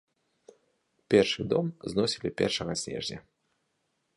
Першы дом зносілі першага снежня.